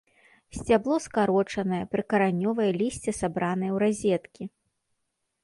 Сцябло скарочанае, прыкаранёвае лісце сабранае ў разеткі.